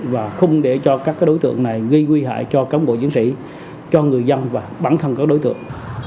và không để cho các đối tượng này gây nguy hại cho cán bộ chiến sĩ cho người dân và bản thân các đối tượng